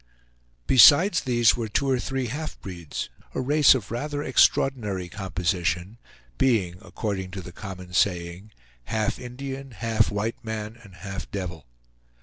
Besides these, were two or three half breeds, a race of rather extraordinary composition, being according to the common saying half Indian, half white man, and half devil.